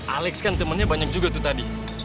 alex kan temennya banyak juga tuh tadi